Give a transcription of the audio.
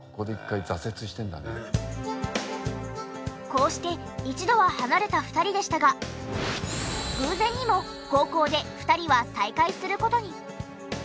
こうして一度は離れた２人でしたが偶然にも高校で２人は再会する事に。